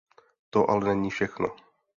To ale není všechno.